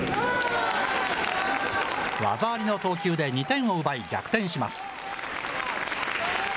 技ありの投球で２点を奪い逆転します。